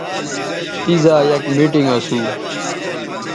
تیزا یک میٹنگ اسو